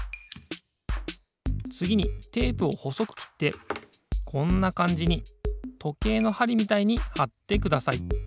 つぎにテープをほそくきってこんなかんじにとけいのはりみたいにはってください。